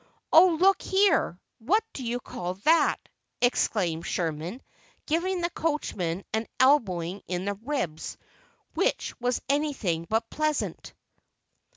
"Oh, look here! what do you call that?" exclaimed Sherman, giving the coachman an elbowing in the ribs which was anything but pleasant.